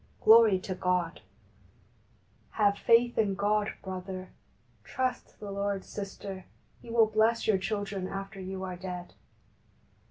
Glory to God ! Have faith in God, brother ! Trust the Lord, sister ! He will bless your children after you are dead.